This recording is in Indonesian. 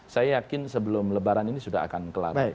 saya yakin sebelum lebaran ini sudah akan kelar